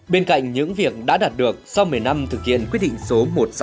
bên cạnh những việc đã đạt được sau một mươi năm thực hiện quyết định số một nghìn sáu trăm sáu mươi tám